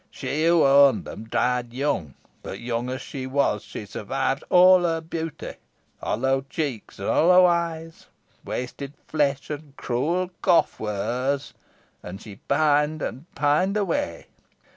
She who owned them died young; but, young as she was, she survived all her beauty. Hollow cheeks and hollow eyes, wasted flesh, and cruel cough, were hers and she pined and pined away.